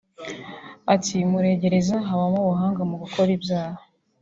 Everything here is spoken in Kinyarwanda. Ati “Muregereza habamo ubuhanga mu gukora ibyaha